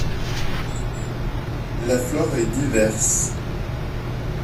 La flore est diverses.